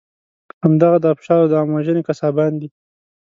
همدغه د آبشارو د عام وژنې قصابان دي.